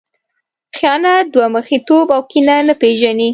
خیانت، دوه مخی توب او کینه نه پېژني.